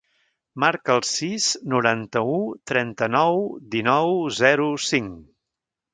Marca el sis, noranta-u, trenta-nou, dinou, zero, cinc.